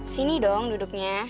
sini dong duduknya